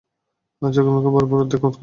চোখে-মুখে ভরপুর উদ্বেগ-উৎকণ্ঠা।